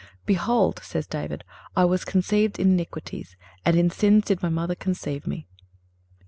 "Behold," says David, "I was conceived in iniquities, and in sins did my mother conceive me."